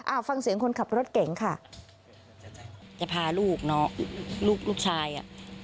ฟังเสียงคนขับรถเก๋งค่ะจะพาลูกน้องลูกลูกชายอ่ะ